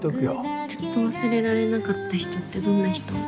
ずっと忘れられなかった人ってどんな人？